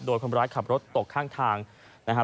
โดยคนร้ายขับรถตกข้างทางนะครับ